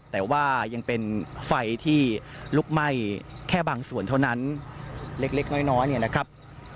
แต่ว่ายังเป็นไฟที่ลุกไหม้แค่บางส่วนเท่านั้นเล็กน้อยเนี่ยนะครับ